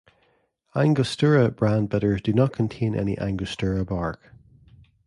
Angostura brand bitters do not contain any angostura bark.